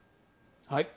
はい。